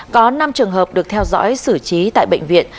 có năm trường hợp được theo dõi xử trí tại bệnh viện